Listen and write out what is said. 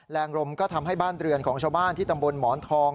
แรงลมก็ทำให้บ้านเรือนของชาวบ้านที่ตำบลหมอนทอง